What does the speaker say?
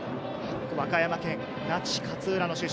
和歌山県那智勝浦の出身。